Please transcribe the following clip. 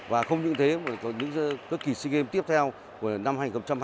và không những thế mà có những kỳ sea games tiếp theo của năm hai nghìn hai mươi ba